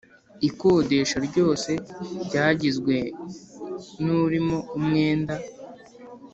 Ikodesha ryose ryagizwe n urimo umwenda